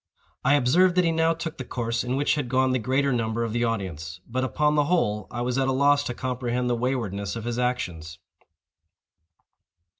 I observed that he now took the course in which had gone the greater number of the audience—but, upon the whole, I was at a loss to comprehend the waywardness of his actions.